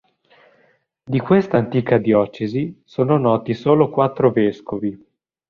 Di questa antica diocesi sono noti solo quattro vescovi.